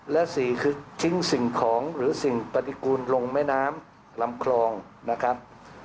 และ๔คือทิ้งสิ่งของหรือสิ่งปฏิกูลลงแม่น้ำลำคลองนะครับ